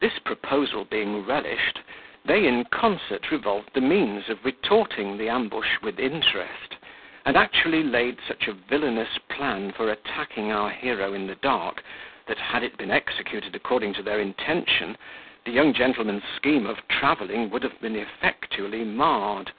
This proposal being relished, they in concert revolved the means of retorting the ambush with interest, and actually laid such a villainous plan for attacking our hero in the dark, that, had it been executed according to their intention, the young gentleman's scheme of travelling would have been effectually marred.